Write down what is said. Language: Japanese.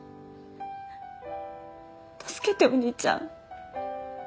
助けてお兄ちゃん。